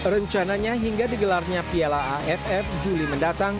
rencananya hingga digelarnya piala aff juli mendatang